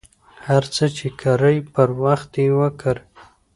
هر څه ،چې کرئ پر وخت یې وکرئ.